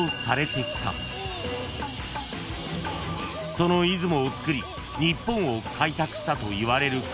［その出雲をつくり日本を開拓したといわれる神］